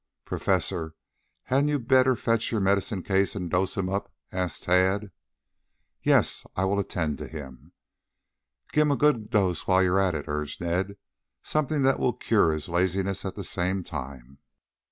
"Professor, hadn't you better fetch your medicine case and dose him up?" asked Tad. "Yes, I'll attend to him." "Give him a good dose while you are about it," urged Ned. "Something that will cure his laziness at the same time."